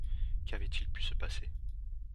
Qu’avait-il pu se passer ?